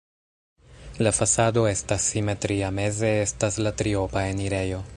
La fasado estas simetria, meze estas la triopa enirejo.